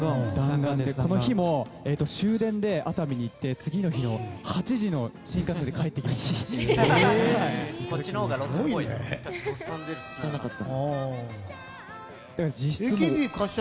この日も、終電で熱海に行って次の日、８時の新幹線で帰ってきました。